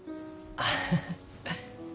アハハ。